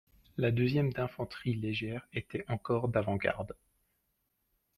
La deuxième d'infanterie légère était encore d'avant-garde.